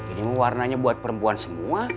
ini warnanya buat perempuan semua